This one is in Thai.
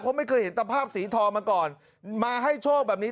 เพราะไม่เคยเห็นตะภาพสีทองมาก่อนมาให้โชคแบบนี้